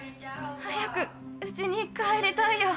早くうちに帰りたいよ。